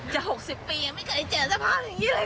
จะหกสิบปียังไม่เคยเจอสภาพอย่างงี้เลยค่ะ